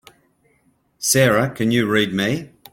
Sara can you read me?